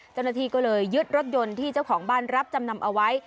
เจ้าหน้าที่ก็เลยยึดรถยนต์ที่เจ้าของบ้านรับจำนำเอาไว้